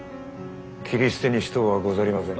斬り捨てにしとうはござりませぬ。